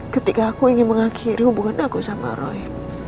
ketika aku ingin mengakhiri hubungan aku sama roy